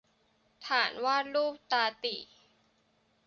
ฐานวาดรูปตาตี่